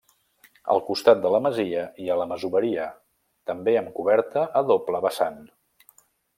Al costat de la masia hi ha la masoveria, també amb coberta a doble vessant.